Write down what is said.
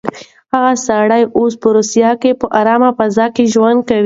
هغه سړی اوس په روسيه کې په ارامه فضا کې ژوند کوي.